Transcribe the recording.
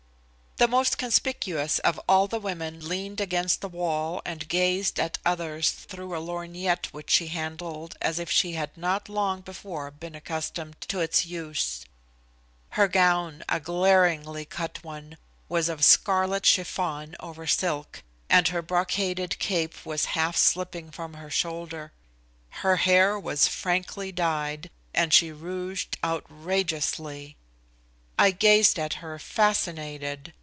The most conspicuous of all the women leaned against the wall and gazed at others through a lorgnette which she handled as if she had not long before been accustomed to its use. Her gown, a glaringly cut one, was of scarlet chiffon over silk, and her brocaded cape was half slipping from her shoulder. Her hair was frankly dyed, and she rouged outrageously. I gazed at her fascinated.